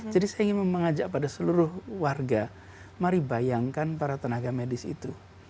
jadi saya ingin mengajak pada seluruh warga mari bayangkan para tenaga medis itu